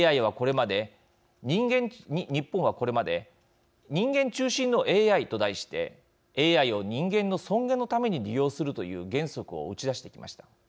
日本はこれまで人間中心のＡＩと題してＡＩを人間の尊厳のために利用するという原則を打ち出してきました。